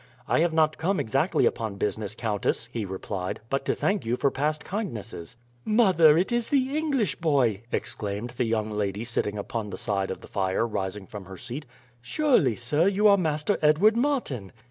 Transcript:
"I have not come exactly upon business, countess," he replied, "but to thank you for past kindnesses." "Mother, it is the English boy!" exclaimed the young lady sitting upon the side of the fire, rising from her seat. "Surely, sir, you are Master Edward Martin?"